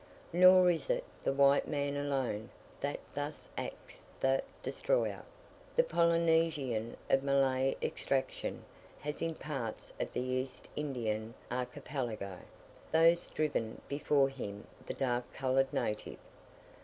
Nor is it the white man alone that thus acts the destroyer; the Polynesian of Malay extraction has in parts of the East Indian archipelago, thus driven before him the dark coloured native.